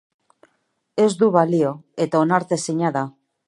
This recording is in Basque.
Ez du balio eta onartezina da.